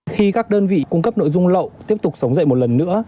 khi các đơn vị cung cấp nội dung lậu tiếp tục sống dậy một lần nữa